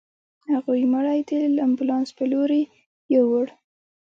هغوی مړی د امبولانس په لورې يووړ.